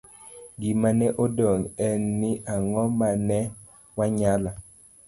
Gima ne odong ' en ni, ang'o ma ne wanyalo